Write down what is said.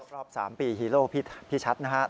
รอบ๓ปีฮีโร่พี่ชัดนะครับ